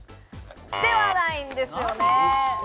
ではないんですよね。